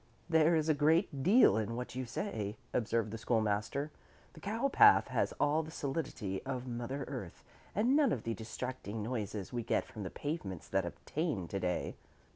"There is a great deal in what you say," observed the School master. "The cowpath has all the solidity of mother earth, and none of the distracting noises we get from the pavements that obtain to day.